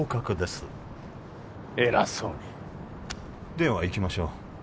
ではいきましょう